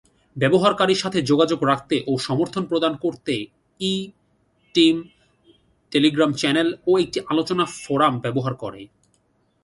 ব্যবহারকারীর সাথে যোগাযোগ রাখতে ও সমর্থন প্রদান করতে, /ই/ টিম টেলিগ্রাম চ্যানেল ও একটি আলোচনা ফোরাম ব্যবহার করে।